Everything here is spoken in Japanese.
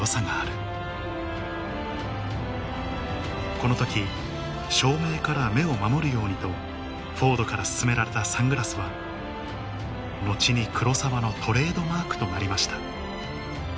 この時照明から目を守るようにとフォードから薦められたサングラスは後に黒澤のトレードマークとなりました